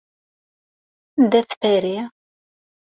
Anda-tt Paris?